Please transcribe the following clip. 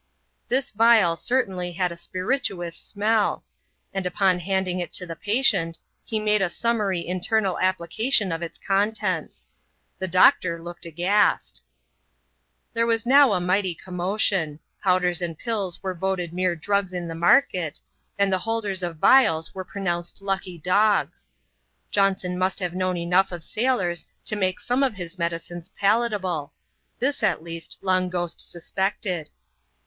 This vial certainly had a spirituous smell ; and upon handing it to the patient, he made a summary internal application of ita contents. The doctor looked agViast^ CHAP. XXXV.] VISIT FROM AN OLD ACQUAINTANCE. 137 There was now a mighty commotion. Powders and pills were voted mere drugs in the market, and the holders of viab were pronounced lucky dogs. Johnson must have known enough of Bailors to make some of his medicines palatable — this, at least, Long Ghost suspected.